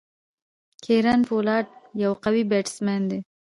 کیرن پولارډ یو قوي بيټسمېن دئ.